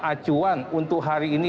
acuan untuk hari ini